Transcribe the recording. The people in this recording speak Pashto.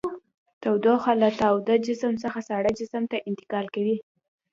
تودوخه له تاوده جسم څخه ساړه جسم ته انتقال کوي.